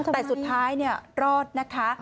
แต่สุดท้ายรอดนะคะ